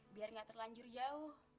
biar gak terlanjur jauh